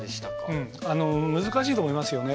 うんあの難しいと思いますよね。